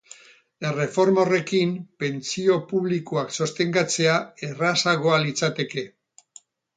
Erreforma horrekin, pentsio publikoak sostengatzea errazagoa litzateke.